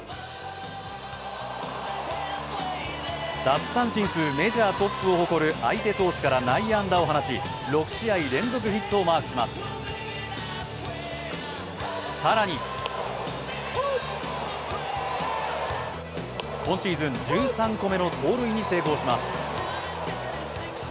奪三振数メジャートップを誇る相手投手から内野安打を放ち６試合連続ヒットをマークします、更に今シーズン１３個目の盗塁に成功します。